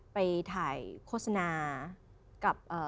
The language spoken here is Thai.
ไปถ่ายโฆษณากับ